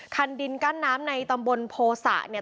คันดินกั้นน้ำในตำบลโภษะเนี่ย